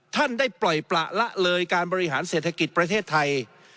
ท่านได้ปล่อยประละเลยการบริหารเศรษฐกิจประเทศไทย